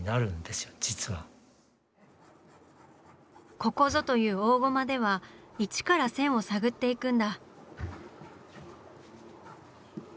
ここぞという大ゴマでは一から線を探っていくんだ。